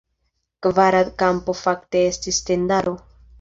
Kvara kampo fakte estis tendaro.